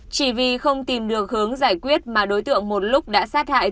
chỉ vì không tìm được hướng giải quyết mà đối tượng một lúc đã sát hại